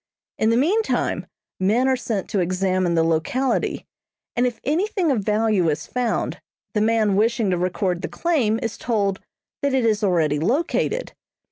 In the meantime, men are sent to examine the locality and if anything of value is found, the man wishing to record the claim is told that it is already located.